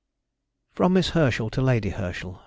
_] FROM MISS HERSCHEL TO LADY HERSCHEL.